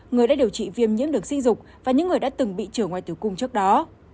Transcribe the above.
người đã điều trị viêm nhiễm được sinh dục và những người đã từng bị trưởng ngoài tử cung trước đó